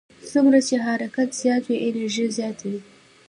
څومره چې حرکت زیات وي انرژي زیاته وي.